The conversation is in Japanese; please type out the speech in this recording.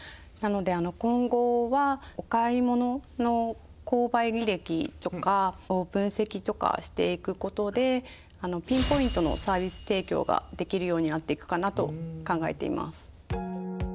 なので今後はお買い物の購買履歴とかを分析とかしていくことでピンポイントのサービス提供ができるようになっていくかなと考えています。